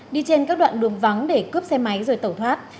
đi trên các đoạn đường vắng để cướp xe máy rồi tẩu thoát